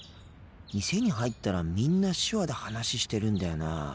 店に入ったらみんな手話で話してるんだよな。